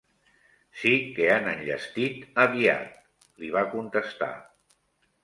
Si que han enllestit aviat, li va contestar